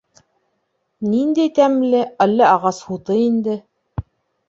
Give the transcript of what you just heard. Ниндәй тәмле, әллә ағас һуты инде?